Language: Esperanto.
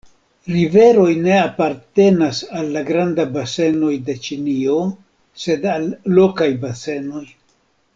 Riveroj ne apartenas al la grandaj basenoj de Ĉinio, sed al lokaj basenoj.